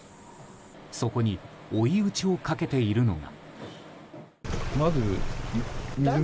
そこに追い打ちをかけているのが。